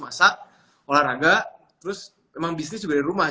masak olahraga terus emang bisnis juga di rumah